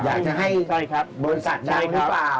อยากจะให้บริษัทได้หรือเปล่า